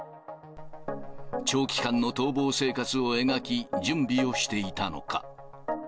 長期間の逃亡生活を描き、準備をしていたのか。